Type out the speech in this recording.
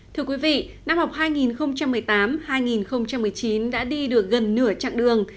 thưa quý vị năm học hai nghìn một mươi tám hai nghìn một mươi chín đã đi được gần nửa chặng đường